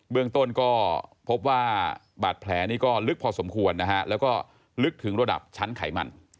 เรื่องต้นก็พบว่าบาดแผลนี่ก็ลึกพอสมควรนะฮะแล้วก็ลึกถึงระดับชั้นไขมัน